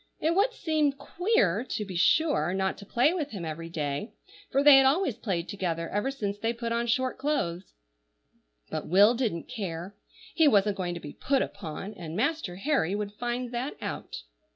It would seem queer, to be sure, not to play with him every day, for they had always played together ever since they put on short clothes; but Will didn't care. He wasn't going to be "put upon," and Master Harry would find that out.